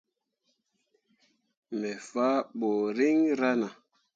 Me fah ɓuriŋ rana.